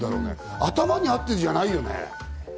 頭にあってじゃないよね。